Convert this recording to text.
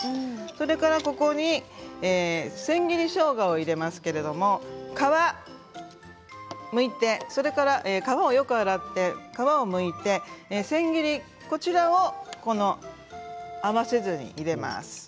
それから、ここに千切りしょうがを入れますけれども皮をむいて、それから皮をよく洗って千切り、こちらを合わせ酢に入れます。